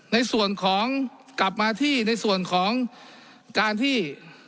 ในส่วนของกลับมาที่ในส่วนของการที่